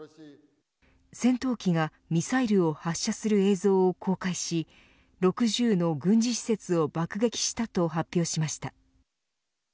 戦闘機がミサイルを発射する映像を公開し６０の軍事施設を爆撃したと発表しました。